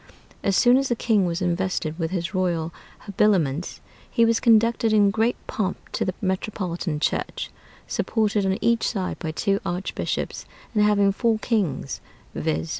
As soon as the king was invested with his royal habiliments, he was conducted in great pomp to the metropolitan church, supported on each side by two archbishops, and having four kings, viz.